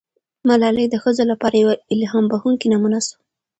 ملالۍ د ښځو لپاره یوه الهام بښونکې نمونه سوه.